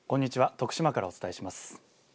徳島からお伝えします。